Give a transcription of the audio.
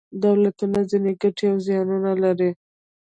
دولتونه ځینې ګټې او زیانونه لري.